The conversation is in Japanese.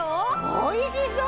おいしそう！